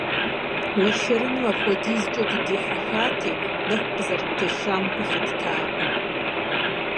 Уэршэрыным апхуэдизкӀэ дыдихьэхати, нэху къызэрыттещхьам гу лъыттакъым.